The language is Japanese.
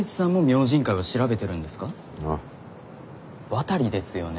渡ですよね？